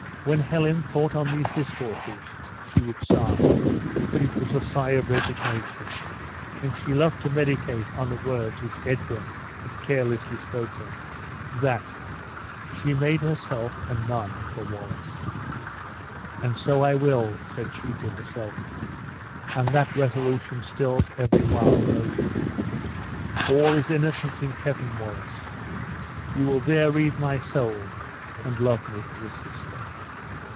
When Helen thought on these discourses she would sigh, but it was a sigh of resignation, and she loved to meditate on the words which Edwin had carelessly spoken that "she made herself a nun for Wallace!" "And so I will," said she to herself; "and that resolution stills every wild emotion. All is innocence in heaven, Wallace! You will there read my soul, and love me as a sister."